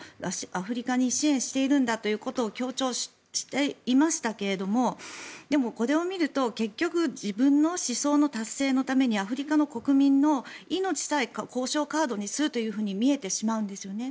アフリカに支援しているんだということを強調していましたけどでも、これを見ると結局自分の思想の達成のためにアフリカの国民の命さえ交渉カードにするというふうに見えてしまうんですよね。